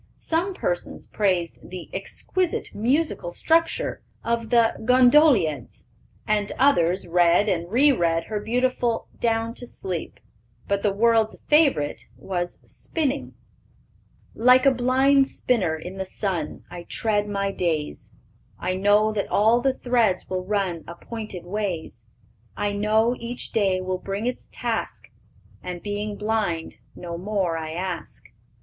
Some persons praised the "exquisite musical structure" of the Gondolieds, and others read and re read her beautiful Down to Sleep. But the world's favorite was Spinning: "Like a blind spinner in the sun, I tread my days; I know that all the threads will run Appointed ways; I know each day will bring its task, And, being blind, no more I ask.